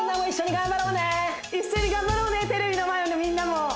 一緒に頑張ろうねテレビの前のみんなも！